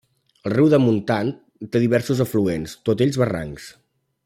El riu de Montant té diversos afluents, tots ells barrancs.